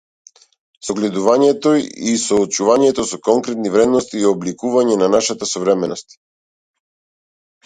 Согледувањето и соочувањето со конкретни вредности е обликување на нашата современост.